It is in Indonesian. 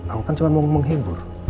aku kan cuma mau menghibur